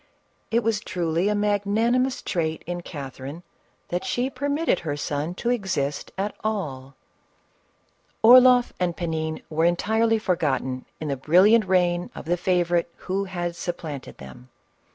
It was truly a magnanimous trait in Catherine that she permitted her son to exist at all! CATTFKm*E OF RUSSIA. 429 Orloff and Pan in were entirely forgotten in the bril liant reign of the favorite who had supplanted them.